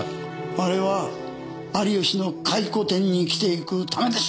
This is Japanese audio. あれは有吉の回顧展に着ていくためです！